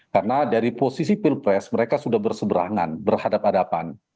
karena dari posisi pilpres mereka sudah berseberangan berhadap hadapan